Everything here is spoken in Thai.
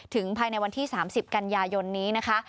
ภายในวันที่๓๐กันยายนนี้นะคะ